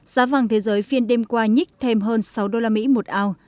giá vàng thế giới phiên đêm qua nhích thêm hơn sáu usd một ao